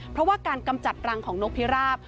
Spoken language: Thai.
เพราะว่าการกำจัดรังของนกพิราบ